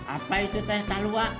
apa itu teh talua